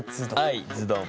「愛ズドン」。